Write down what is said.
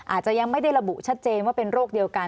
อาจจะยังไม่ได้ระบุชัดเจนว่าเป็นโรคเดียวกัน